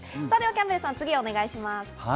キャンベルさん、次、お願いします。